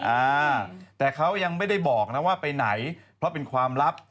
อ่าแต่เขายังไม่ได้บอกนะว่าไปไหนเพราะเป็นความลับ